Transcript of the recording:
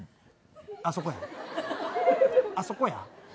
あそこや、あそこや。